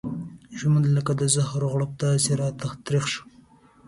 ژوند لکه د زهرو غړپ داسې راته تريخ شو.